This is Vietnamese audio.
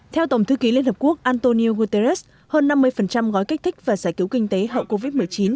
theo tổng thư ký liên hợp quốc antonio guterres hơn năm mươi gói kích thích và giải cứu kinh tế hậu covid một mươi chín